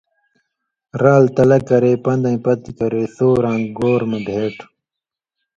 رال تلہ کرے، پن٘دَیں پتہۡ کرے ثؤراں گور مہ بھېٹوۡ۔